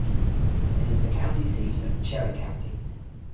It is the county seat of Cherry County.